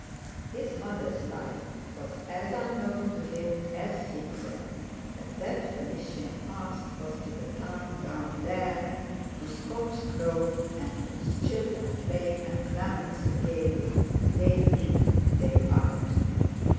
His mother's life was as unknown to him, as secret, as that Phoenician past was to the town down there, whose cocks crowed and whose children played and clamoured so gaily, day in, day out.